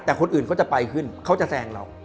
แต่คนอื่นเขาจะไปขึ้นเขาจะแซงเรา